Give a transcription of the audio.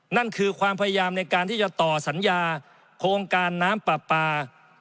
นั่นคือความพยายามในการที่จะต่อสัญญาโครงการน้ำปลาปลา